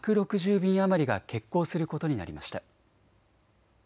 便余りが欠航することになりました。